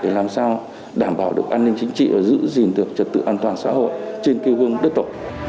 để làm sao đảm bảo được an ninh chính trị và giữ gìn được trật tự an toàn xã hội trên kêu gương đất tổ